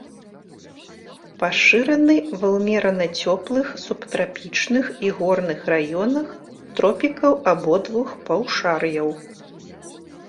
Пашыраны ва ўмерана цёплых, субтрапічных і горных раёнах тропікаў абодвух паўшар'яў.